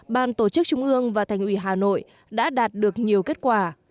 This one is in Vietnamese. ban tổ chức trung ương và thành ủy hà nội đã đạt được nhiều kết quả